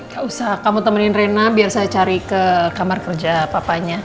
gak usah kamu temenin rena biar saya cari ke kamar kerja papanya